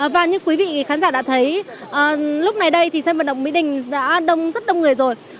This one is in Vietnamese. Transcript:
và như quý vị khán giả đã thấy lúc này đây thì sân vận động mỹ đình đã đông rất đông người rồi